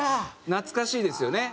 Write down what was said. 懐かしいですよね。